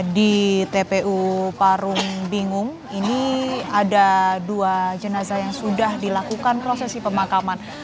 di tpu parung bingung ini ada dua jenazah yang sudah dilakukan prosesi pemakaman